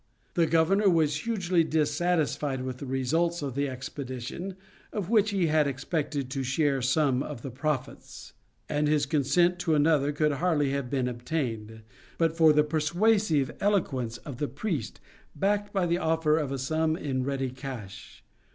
The governor was hugely dissatisfied with the results of the expedition, of which he had expected to share some of the profits; and his consent to another could hardly have been obtained, but for the persuasive eloquence of the priest, backed by the offer of a sum in ready cash.